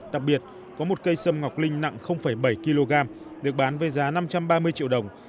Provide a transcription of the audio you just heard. đặc biệt có một cây sâm ngọc linh nặng bảy kg được bán với giá năm trăm ba mươi triệu đồng